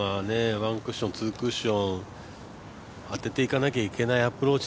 ワンクッションツークッション当てていかなければいけないのでね。